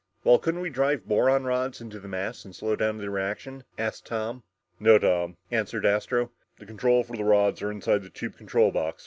"Well, couldn't we drive boron rods into the mass and slow down the reaction?" asked Tom. "No, Tom," answered Astro, "the control for the rods are inside the tube control box.